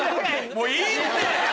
もういいって！